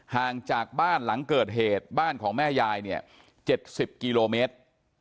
ห่างจากบ้านหลังเกิดเหตุบ้านของแม่ยายเนี่ย๗๐กิโลเมตร